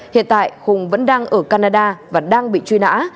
hiện tại hùng vẫn đang ở canada và đang bị truy nã